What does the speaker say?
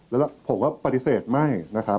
และการแสดงสมบัติของแคนดิเดตนายกนะครับ